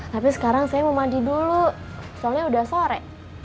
tapi sekarang saya mau mandi dulu soalnya udah sore